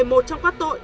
một trong các tội